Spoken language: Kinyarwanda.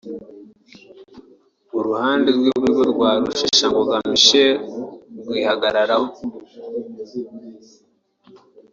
uruhunde rw’iburyo rwa Rusheshangoga Michel rwihagararaho